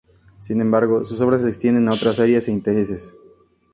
Sin embargo, sus obras se extienden a otras áreas e intereses.